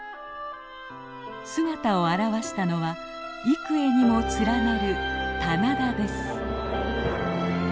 姿を現したのは幾重にも連なる棚田です。